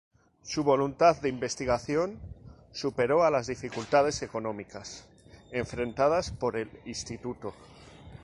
Su voluntad de investigación superó a las dificultades económicas enfrentadas por el Instituto.